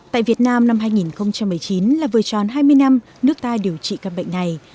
tại việt nam năm hai nghìn một mươi chín là vừa tròn hai mươi năm nước ta điều trị các bệnh này